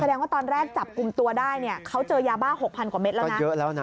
แสดงว่าตอนแรกจับกุมตัวได้เขาเจอยาบ้า๖๐๐๐กว่าเมตรแล้วนะ